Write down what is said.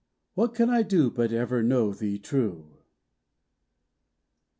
What can I do but ever know thee true!